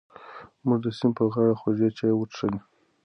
موږ د سیند په غاړه خوږې چای وڅښلې.